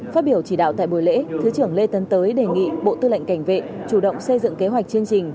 phát biểu chỉ đạo tại buổi lễ thứ trưởng lê tấn tới đề nghị bộ tư lệnh cảnh vệ chủ động xây dựng kế hoạch chương trình